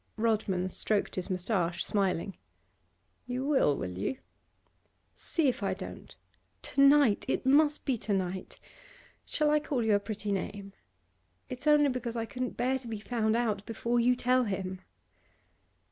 Rodman stroked his moustache, smiling. 'You will, will you?' 'See if I don't. To night! It must be to night! Shall I call you a pretty name? it's only because I couldn't bear to be found out before you tell him.